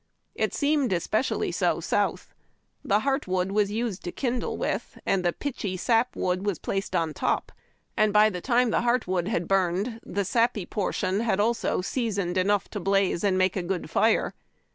It seemed especially so South. Tlie heart wood was used to kindle with, and the pitchy sap wood placed on top, and by the time the heart wood had burned the sappy portion had also seasoned enough to blaze and make a good fire.